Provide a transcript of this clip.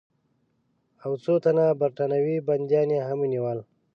او څو تنه برټانوي بندیان یې هم ونیول.